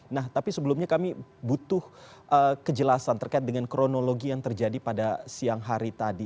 nah tapi sebelumnya kami butuh kejelasan terkait dengan kronologi yang terjadi pada siang hari tadi